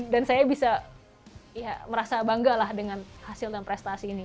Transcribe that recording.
dan saya bisa merasa bangga lah dengan hasil dan prestasi ini